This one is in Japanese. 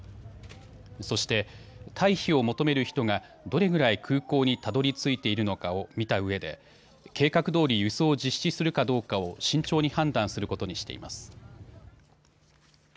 そして退避を求める人がどれぐらい空港にたどりついているのかを見たうえで計画どおり、輸送を実施するかどうかを慎重に判断することにしています。